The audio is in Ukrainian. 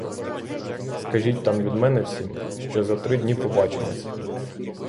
Скажіть там від мене всім, що за три дні побачимося.